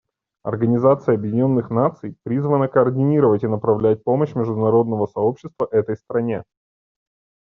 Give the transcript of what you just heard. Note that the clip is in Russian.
Организация Объединенных Наций призвана координировать и направлять помощь международного сообщества этой стране.